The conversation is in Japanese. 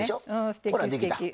すてきすてき。